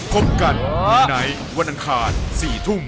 สวัสดีครับ